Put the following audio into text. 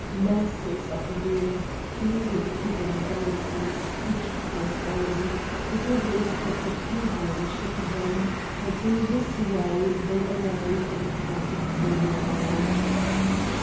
Masses of men clinging to their bases pushed them on; at every step a quivering shook them, and in this way they arrived in front of the walls.